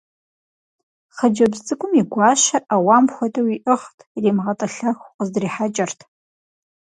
Хъыджэбз цӏыкӏум и гуащэр ӏэуам хуэдэу иӏыгът, иримыгъэтӏылъэху къыздрихьэкӏырт.